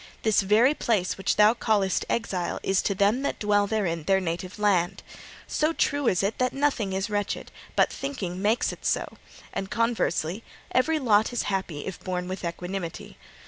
This very place which thou callest exile is to them that dwell therein their native land. So true is it that nothing is wretched, but thinking makes it so, and conversely every lot is happy if borne with equanimity.